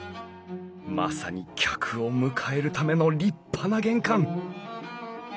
まさに客を迎えるための立派な玄関。